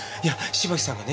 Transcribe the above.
芝木さんがね